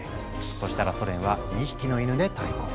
そしたらソ連は２匹のイヌで対抗。